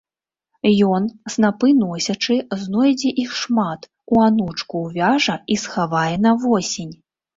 Ён, снапы носячы, знойдзе іх шмат, у анучку ўвяжа і схавае на восень.